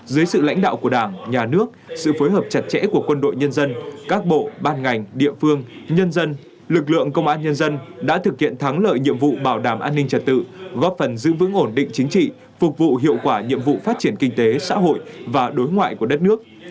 dưới sự lãnh đạo của đảng nhà nước sự phối hợp chặt chẽ của quân đội nhân dân các bộ ban ngành địa phương nhân dân lực lượng công an nhân dân đã thực hiện thắng lợi nhiệm vụ bảo đảm an ninh trật tự góp phần giữ vững ổn định chính trị phục vụ hiệu quả nhiệm vụ phát triển kinh tế xã hội và đối ngoại của đất nước